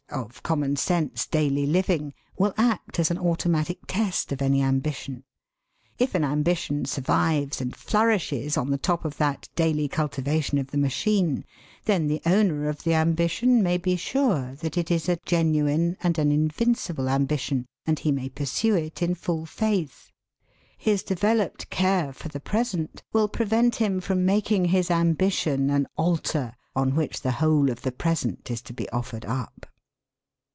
of common sense daily living will act as an automatic test of any ambition. If an ambition survives and flourishes on the top of that daily cultivation of the machine, then the owner of the ambition may be sure that it is a genuine and an invincible ambition, and he may pursue it in full faith; his developed care for the present will prevent him from making his ambition an altar on which the whole of the present is to be offered up.